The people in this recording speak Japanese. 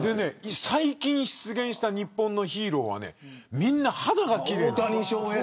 最近出現した日本のヒーローはみんな肌が奇麗なんです。